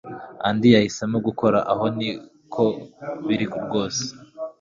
Andy yahisemo gukora aho niko biri rwose